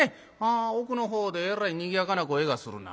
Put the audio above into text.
奥の方でえらいにぎやかな声がするな。